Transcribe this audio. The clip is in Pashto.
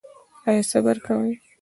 ایا صبر کوئ؟